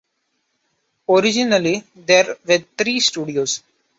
Originally there were three studios.